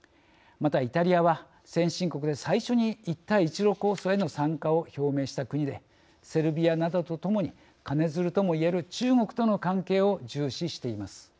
また、イタリアは先進国で最初に一帯一路構想への参加を表明した国でセルビアなどとともに金づるともいえる中国との関係を重視しています。